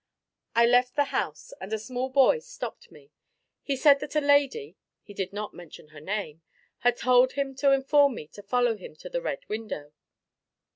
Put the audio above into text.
I left the house, and a small boy stopped me. He said that a lady he did not mention her name had told him to inform me to follow him to the Red Window."